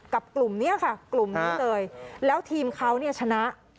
กลุ่มนี้ค่ะกลุ่มนี้เลยแล้วทีมเขาเนี่ยชนะ